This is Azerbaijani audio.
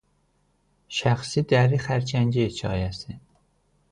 Şəxsi dəri xərçəngi hekayəsi.